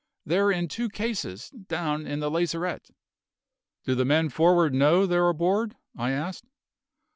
They're in two cases, down in the lazarette." "Do the men for'ard know they're aboard?" I asked.